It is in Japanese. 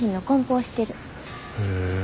へえ。